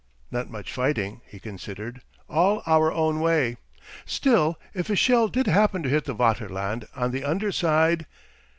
"Not much fighting," he considered; "all our own way." Still, if a shell did happen to hit the Vaterland on the underside!...